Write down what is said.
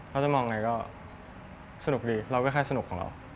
เขาจะมองไงก็สนุกดีเราก็แค่สนุกของเรา